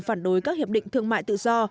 phản đối các hiệp định thương mại tự do